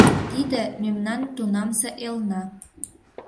Тиде — мемнан тунамсе элна.